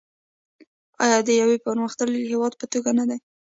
آیا د یو پرمختللي هیواد په توګه نه دی؟